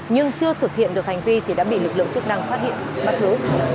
nhưng chưa thực hiện được hành vi thì đã bị lực lượng chức năng phát hiện bắt giữ